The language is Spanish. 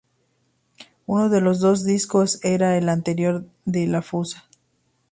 Uno de los dos discos era el anterior de La Fusa.